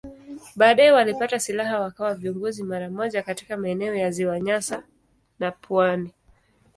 Baadaye walipata silaha wakawa viongozi mara moja katika maeneo ya Ziwa Nyasa na pwani.